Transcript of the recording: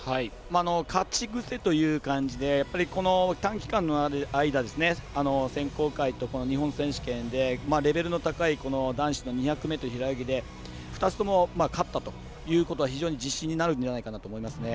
勝ち癖という感じで短期間の間で選考会と日本選手権でレベルの高い男子の２００ｍ平泳ぎで２つとも、勝ったということは非常に自信になるんじゃないかなと思いますね。